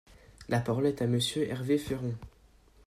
La parole est à Monsieur Hervé Féron.